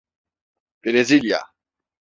Brezilya…